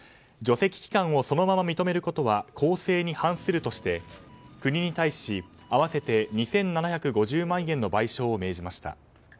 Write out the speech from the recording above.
除斥期間をそのまま認めることは公正に反するとして国に対し合わせて２７５０万円の賠償を命じました。